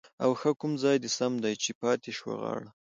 ـ اوښه کوم ځاى د سم دى ،چې پاتې شوه غاړه؟؟